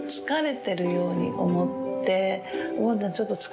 ชอบพูดมาเกิดที่ใช้ได้